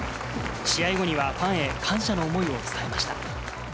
試合後にはファンへ感謝の思いを伝えました。